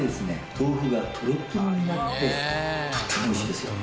豆腐がトロトロになってとってもおいしいですよ。